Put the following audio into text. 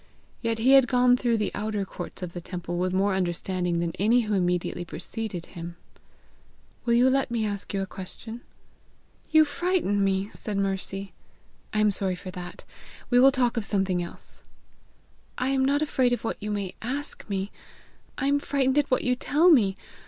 Yet he had gone through the outer courts of the temple with more understanding than any who immediately preceded him. Will you let me ask you a question?" "You frighten me!" said Mercy. "I am sorry for that. We will talk of something else." "I am not afraid of what you may ask me; I am frightened at what you tell me.